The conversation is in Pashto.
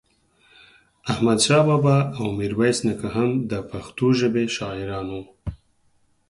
احمد شاه بابا او ميرويس نيکه هم دا پښتو ژبې شاعران وو